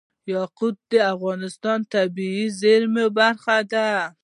یاقوت د افغانستان د طبیعي زیرمو برخه ده.